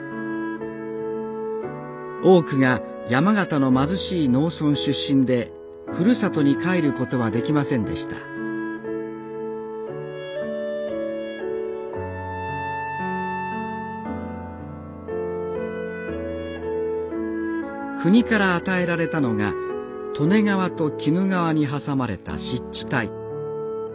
多くが山形の貧しい農村出身でふるさとに帰る事はできませんでした国から与えられたのが利根川と鬼怒川に挟まれた湿地帯。